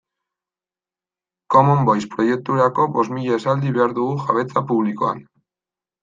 Common Voice proiekturako bost mila esaldi behar dugu jabetza publikoan